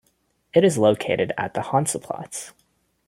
It is located at the Hansaplatz.